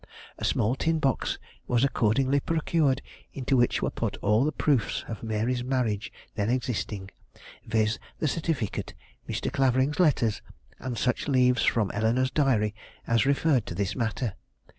A small tin box was accordingly procured, into which were put all the proofs of Mary's marriage then existing, viz.: the certificate, Mr. Clavering's letters, and such leaves from Eleanore's diary as referred to this matter.